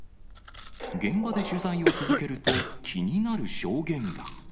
現場で取材を続けると、気になる証言が。